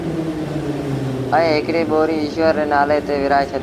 ائيٚݩ هڪڙيٚ ٻوريٚ ايٚشور ري نآلي تي ورهآئي ڇڏي دو